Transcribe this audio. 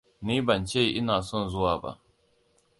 Ni ban ce ina son zuwa ba.